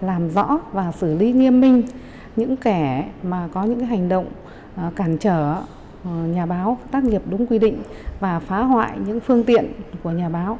làm rõ và xử lý nghiêm minh những kẻ mà có những hành động cản trở nhà báo tác nghiệp đúng quy định và phá hoại những phương tiện của nhà báo